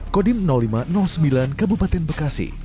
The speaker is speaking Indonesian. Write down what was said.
kodim lima ratus sembilan kabupaten bekasi